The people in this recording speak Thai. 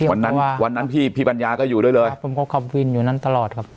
วันนั้นวันนั้นพี่พี่ปัญญาก็อยู่ด้วยเลยครับผมก็ขับวินอยู่นั้นตลอดครับ